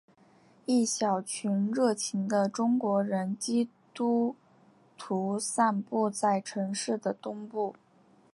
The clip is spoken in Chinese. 一小群热情的中国人基督徒散布在城市的东部。